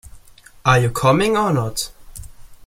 Are you coming or not?